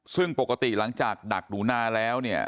ซึ่งปกติหลังจากดักหนูนาแล้วเนี่ย